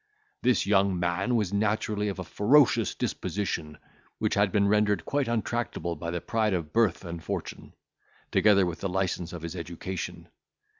"This young man was naturally of a ferocious disposition, which had been rendered quite untractable by the pride of birth and fortune, together with the licence of his education.